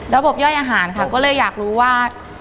ย่อยอาหารค่ะก็เลยอยากรู้ว่า